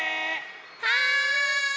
はい！